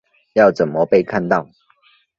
要怎么被看到